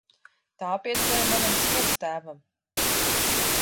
Tā piederēja manam sievastēvam.